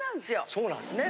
そうなんですね。